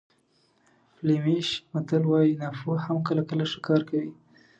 فلیمیش متل وایي ناپوه هم کله کله ښه کار کوي.